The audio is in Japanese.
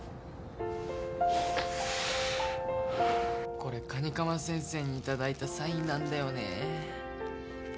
これ蟹釜先生に頂いたサインなんだよね。